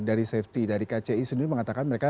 dari safety dari kci sendiri mengatakan mereka